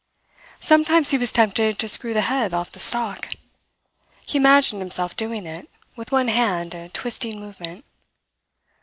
Sometimes he was tempted to screw the head off the stalk. He imagined himself doing it with one hand, a twisting movement.